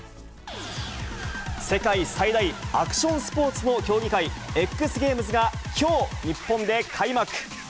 世界最大、アクションスポーツの競技会、ＸＧａｍｅｓがきょう日本で開幕。